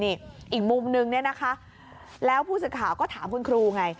อีกมุมนึงนะคะแล้วผู้สิทธิ์ข่าวก็ถามคุณครูไง